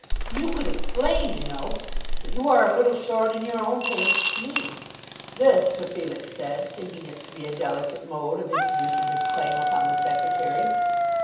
"You could explain, you know, that you are a little short in your own payments to me." This Sir Felix said, thinking it to be a delicate mode of introducing his claim upon the Secretary.